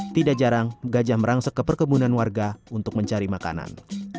tidak jarang gajah merangsek ke perkebunan warga untuk mencari makanan